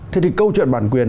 thế thì câu chuyện bản quyền